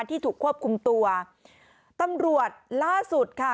ที่ถูกควบคุมตัวตำรวจล่าสุดค่ะ